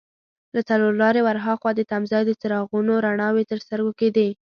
له څلور لارې ور هاخوا د تمځای د څراغونو رڼاوې تر سترګو کېدې.